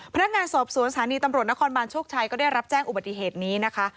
พนักงานสอบสวนสถานีตำรวจนครบานโชคชัยก็ได้รับแจ้งอุบัติเหตุนี้นะคะ